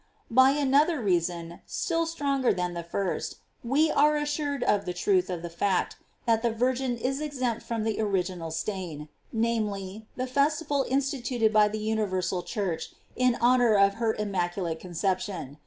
* By another reason, still stronger than the first, we are assured of the truth of the fact, that the Virgin is exempt from the original stain, namely, the festival instituted by the universal Church in honor of her immaculate Conception.